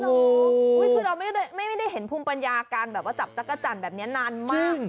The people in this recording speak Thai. คือเราไม่ได้เห็นภูมิปัญญาการแบบว่าจับจักรจันทร์แบบนี้นานมาก